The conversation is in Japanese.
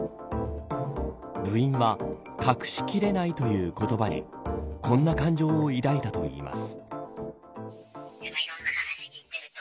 部員は隠しきれないという言葉にこんな感情を抱いたといいます。